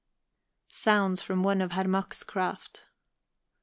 _" Sounds from one of Herr Mack's craft.